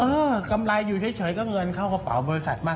กำไรอยู่เฉยก็เงินเข้ากระเป๋าบริษัทมาก